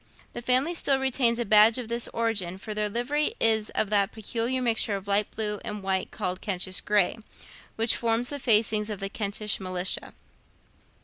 The family still retains a badge of this origin; for their livery is of that peculiar mixture of light blue and white called Kentish gray, which forms the facings of the Kentish militia.